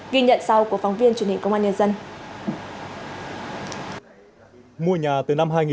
ghi nhận sau của phóng viên truyền hình công an nhân dân